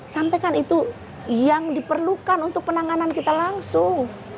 sampai kan itu yang diperlukan untuk penanganan kita langsung